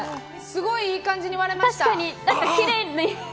すごいいい感じに割れました。